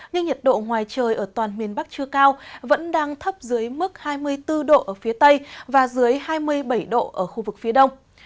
nhưng nhiệt độ ngoài trời ở toàn miền bắc chưa cao vẫn đang thấp dưới mức hai mươi bốn độ ở phía tây và dưới hai mươi bảy độ ở khu vực phía đông